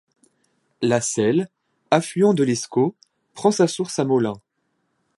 La Selle, affluent de l'Escaut, prend sa source à Molain.